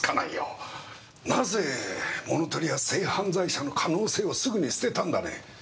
なぜ物盗りや性犯罪者の可能性をすぐに捨てたんだね？